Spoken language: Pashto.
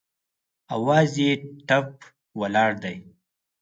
اواز یې ټپ ولاړ دی